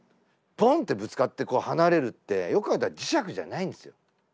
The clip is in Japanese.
ポンってぶつかってこう離れるってよく考えたら磁石じゃないんですよ。